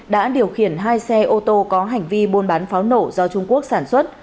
đã điều khiển hai xe ô tô có hành vi buôn bán pháo nổ do trung quốc sản xuất